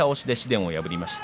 紫雷を破りました。